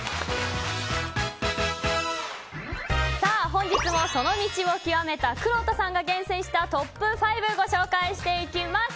本日もその道を究めたくろうとさんが厳選したトップ５ご紹介していきます。